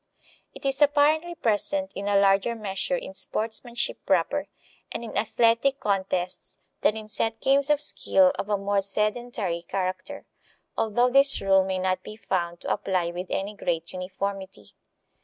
It is apparently present in a larger measure in sportsmanship proper and in athletic contests than in set games of skill of a more sedentary character; although this rule may not be found to apply with any great uniformity.